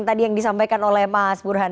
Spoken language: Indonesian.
tadi yang disampaikan oleh mas burhan